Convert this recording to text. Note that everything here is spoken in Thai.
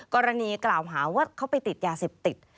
กรณีกล่าวหาว่าเขาไปติดยาเสพติด